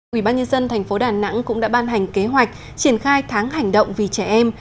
quỹ bác nhân dân tp đà nẵng cũng đã ban hành kế hoạch triển khai tháng hành động vì trẻ em